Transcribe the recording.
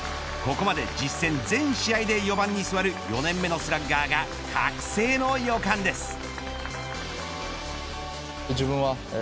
ここまで実戦全試合で４番に座る、４年目のスラッガーが覚醒の予感です。